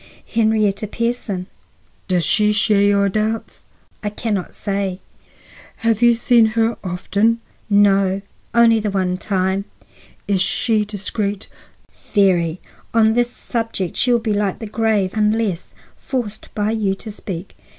"Henrietta Pierson." "Does she share your doubts?" "I can not say." "You have seen her often?" "No, only the one time." "Is she discreet?" "Very. On this subject she will be like the grave unless forced by you to speak."